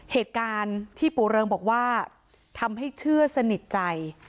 เหตุการณ์ที่ปู่เริงบอกว่าทำให้เชื่อสนิทใจ